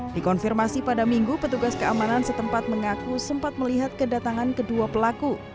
dikonfirmasi pada minggu petugas keamanan setempat mengaku sempat melihat kedatangan kedua pelaku